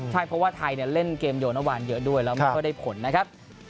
ใช่เพราะว่าไทยเล่นเกมโยนเมื่อวานเยอะด้วยแล้วไม่ค่อยได้ผลนะครับ